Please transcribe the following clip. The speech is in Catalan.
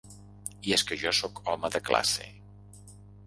I és que jo sóc home de classe.